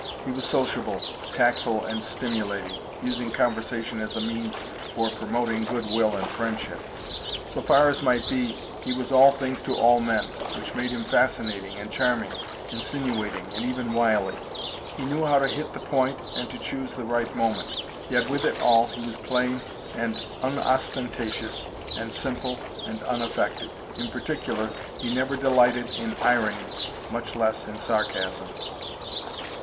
He was sociable, tactful and stimulating, using conversation as a means for promoting good will and friendship; so far as might be, he was all things to all men, which made him fascinating and charming, insinuating and even wily; he know how to hit the point and to choose the right moment, yet with it all he was plain and unostentatious and simple and unaffected; in particular he never delighted in irony much less in sarcasm.